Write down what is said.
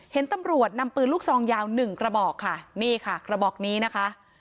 เห็นตำรวจนำปืนลูกซองยาวหนึ่งกระบอกค่ะนี่ค่ะกระบอกนี้นะคะ